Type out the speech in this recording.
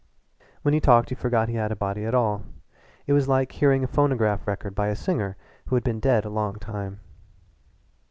When he talked you forgot he had a body at all. It was like hearing a phonograph record by a singer who had been dead a long time.